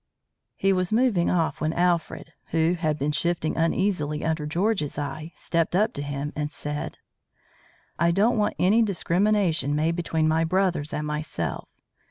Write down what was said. He was moving off, when Alfred, who had been shifting uneasily under George's eye, stepped up to him and said: "I don't want any discrimination made between my brothers and myself.